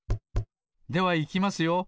ではいきますよ。